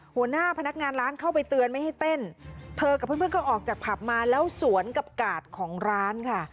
หัวหน้าพนักงานร้านเข้าไปเตือนไม่ให้เต้นเธอกับเพื่อนเพื่อนก็ออกจากผับมาแล้วสวนกับกาดของร้านค่ะ